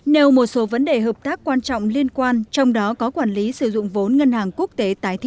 nêu một số vấn đề hợp tác quan trọng liên quan trong đó có quản lý sử dụng vốn ngân hàng quốc tế